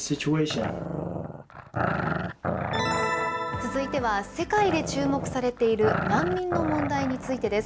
続いては世界で注目されている、難民の問題についてです。